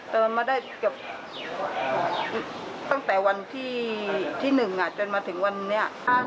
เดินมาได้เกือบตั้งแต่วันที่๑จนมาถึงวันนี้